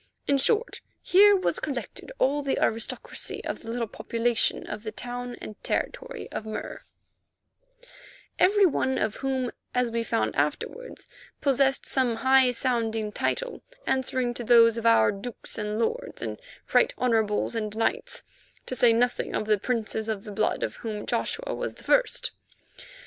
In short, here was collected all the aristocracy of the little population of the town and territory of Mur, every one of whom, as we found afterwards, possessed some high sounding title answering to those of our dukes and lords and Right Honourables, and knights, to say nothing of the Princes of the Blood, of whom Joshua was the first.